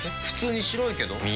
普通に白いけど。